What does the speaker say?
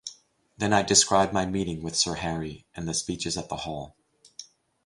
Then I described my meeting with Sir Harry, and the speeches at the hall.